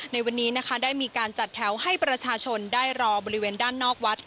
ในวันนี้นะคะได้มีการจัดแถวให้ประชาชนได้รอบริเวณด้านนอกวัด